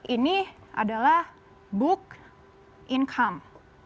ini adalah book income